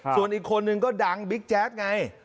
ส่วนอีกคนนึงก็ดังบิ๊กแจ๊ดไง